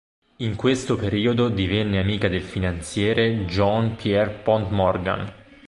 In questo periodo divenne amica del finanziere John Pierpont Morgan.